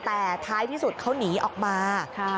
แต่ท้ายที่สุดเขาหนีออกมา